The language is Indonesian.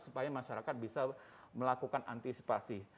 supaya masyarakat bisa melakukan antisipasi